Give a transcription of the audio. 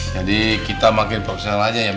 jadi kita makin profesional aja ya mia